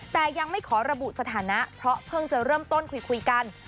แต่ยังไม่ขอระบุสถานะเพราะเพิ่งจะเริ่มต้นคุยกัน